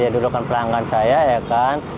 dulu kan pelanggan saya ya kan